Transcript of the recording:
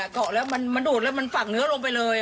เกาะแล้วมันดูดแล้วมันฝักเนื้อลงไปเลย